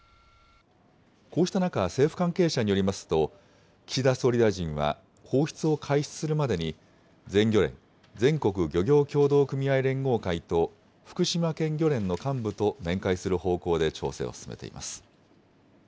こうした中、政府関係者によりますと、岸田総理大臣は放出を開始するまでに、全漁連・全国漁業協同組合連合会と福島県漁連の幹部と面会する方向で調整を進めています。